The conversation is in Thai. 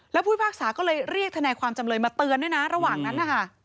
แล้วผู้พิพากษาก็เลยเรียกทนายความจำเลยมาเตือนด้วยนะระหว่างนั้นนะคะ